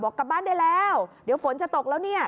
กลับบ้านได้แล้วเดี๋ยวฝนจะตกแล้วเนี่ย